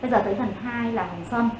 bây giờ tới phần hai là hồng xăm